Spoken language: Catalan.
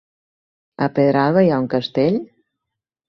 A Pedralba hi ha un castell?